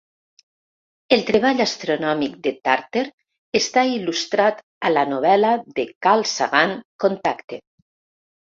El treball astronòmic de Tarter està il·lustrat a la novel·la de Carl Sagan "Contacte".